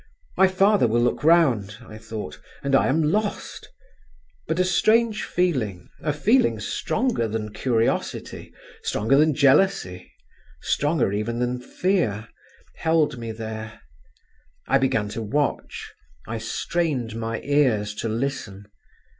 "My father will look round," I thought, "and I am lost …" but a strange feeling—a feeling stronger than curiosity, stronger than jealousy, stronger even than fear—held me there. I began to watch; I strained my ears to listen.